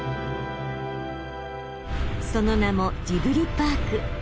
その名も「ジブリパーク」。